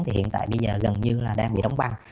thì hiện tại bây giờ gần như là đang bị đóng băng